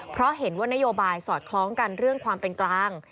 เพราะเห็นว่านโยบายสอดคล้องกันเรื่องความเป็นกลาง